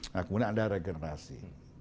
nah kemudian ada regenerasi